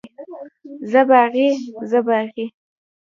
زه باغي، زه باغي.